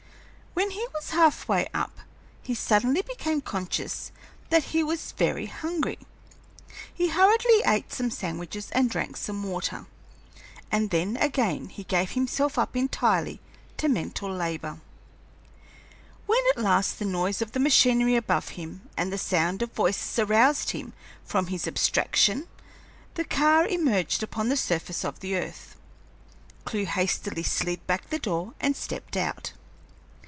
When he was half way up, he suddenly became conscious that he was very hungry. He hurriedly ate some sandwiches and drank some water, and then, again, he gave himself up entirely to mental labor. When, at last, the noise of machinery above him and the sound of voices aroused him from his abstraction, the car emerged upon the surface of the earth, Clewe hastily slid back the door and stepped out.